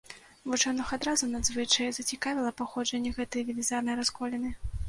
Вучоных адразу надзвычай зацікавіла паходжанне гэтай велізарнай расколіны.